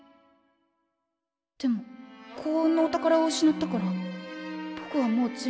でも幸運のお宝を失ったからぼくはもう銭